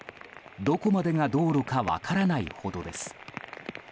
どこまでが道路か分からないほどです。